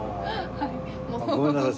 ごめんなさい。